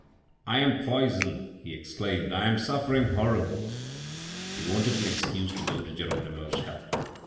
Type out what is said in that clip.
" I am poisoned," he exclaimed, " I am suffering horribly !" He wanted an excuse to go to Geronimo's help.